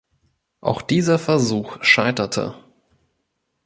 Auch dieser Versuch scheiterte.